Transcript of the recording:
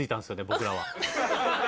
僕らは。